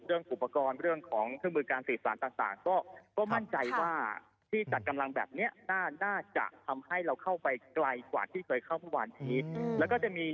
เรื่องของอุปกรณ์เรื่องของเครื่องมือการสื่อสารต่าง